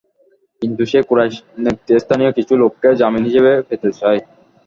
কিন্তু সে কুরাইশ নেতৃস্থানীয় কিছু লোককে জামিন হিসেবে পেতে চায়।